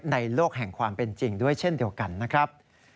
โลกแห่งความเป็นจริงด้วยเช่นเดียวกันนะครับ